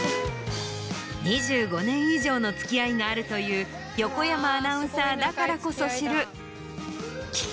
２５年以上の付き合いがあるという横山アナウンサーだからこそ知る。